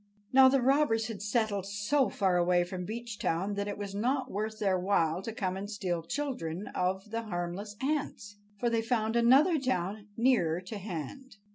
Now, the robbers had settled so far away from Beechtown that it was not worth their while to come and steal the children of the harmless ants, for they found another town nearer to hand.